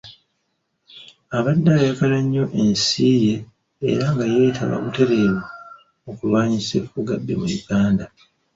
Abadde ayagala nnyo ensi ye era yeetaba butereevu mu kulwanyisa effugabbi mu Uganda.